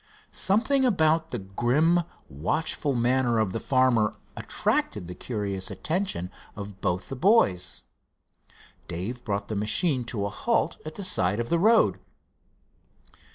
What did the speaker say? Something about the grim, watchful manner of the farmer attracted the curious attention of both of the boys. Dave brought the machine to a halt at the side of the road.